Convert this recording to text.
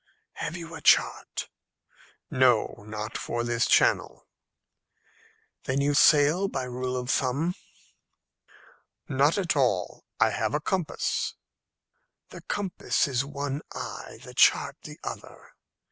"Have you a chart?" "No; not for this channel." "Then you sail by rule of thumb?" "Not at all. I have a compass." "The compass is one eye, the chart the other."